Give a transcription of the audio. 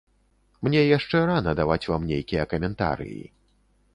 Мне яшчэ рана даваць вам нейкія каментарыі.